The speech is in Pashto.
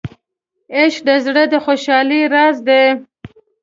عشق د زړه د خوشحالۍ راز دی.